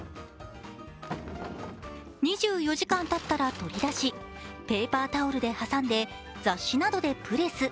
２４時間たったら取り出し、ペーパータオルで挟んで、雑誌などでプレス。